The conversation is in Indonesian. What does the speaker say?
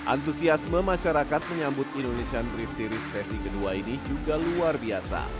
antusiasme masyarakat menyambut indonesian drift series sesi kedua ini juga luar biasa